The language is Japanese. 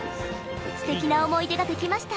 すてきな思い出ができました。